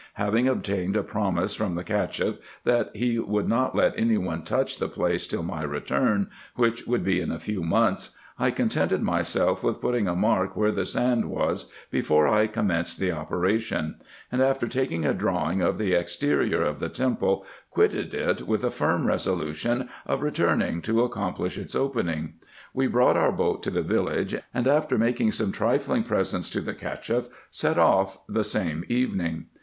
Having obtained a promise from the Cacheff, that he would not let any one touch the place till my return, which would be in a few months, I contented myself with putting a mark where the sand was before I commenced the operation ; and after taking a drawing of the exterior of the temple, quitted it, with a firm resolution of returning to accomplish its opening. We brought our boat to the village, and, after making some trifling presents to the Cacheff, set off the same evening.